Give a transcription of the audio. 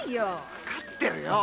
わかってるよ。